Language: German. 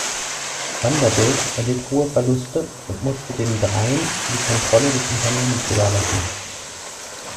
Vanderbilt erlitt hohe Verluste und musste den dreien die Kontrolle des Unternehmens überlassen.